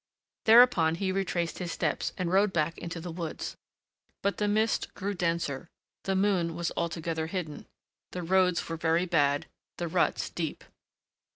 Thereupon he retraced his steps, and rode back into the woods. But the mist grew denser, the moon was altogether hidden, the roads were very bad, the ruts deep.